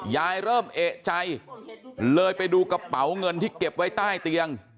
เริ่มเอกใจเลยไปดูกระเป๋าเงินที่เก็บไว้ใต้เตียง